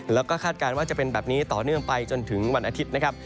แล้วก็คาดการณ์ว่าจะเป็นแบบนี้ต่อเนื่องไปจนถึงวันอาทิตย์นะครับ